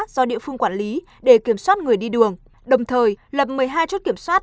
do địa phương quản lý để kiểm soát người đi đường đồng thời lập một mươi hai chốt kiểm soát